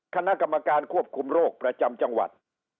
คณะกรรมการควบคุมโรคประจำจังหวัด